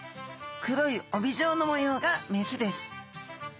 黒い帯状の模様がメスです。